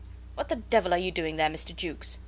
"What the devil are you doing there, Mr. Jukes?"